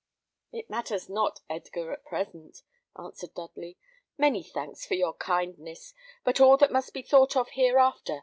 "It matters not, Edgar, at present," answered Dudley. "Many thanks for your kindness, but all that must be thought of hereafter.